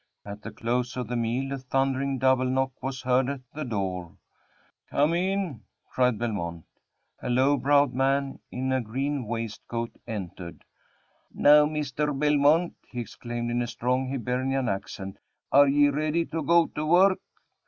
At the close of the meal, a thundering double knock was heard at the door. "Come in!" cried Belmont. A low browed man, in a green waistcoat, entered. "Now, Misther Belmont," he exclaimed, in a strong Hibernian accent, "are ye ready to go to work?